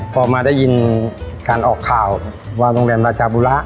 พอมาได้ยินการออกข่าวว่าโรงแรมราชาบุระ